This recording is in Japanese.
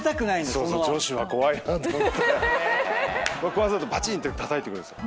わざとパチンってたたいてくるんですよ。